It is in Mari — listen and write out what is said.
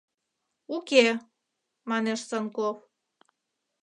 — Уке, — манеш Санков.